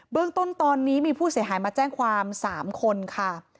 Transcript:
เรื่องต้นตอนนี้มีผู้เสียหายมาแจ้งความ๓คนค่ะ